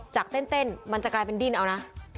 จากเต้นมันจะกลายเป็นดิ้นเอานะ